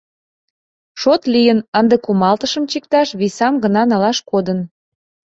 Шот лийын, ынде кумалтышым чикташ, висам гына налаш кодын.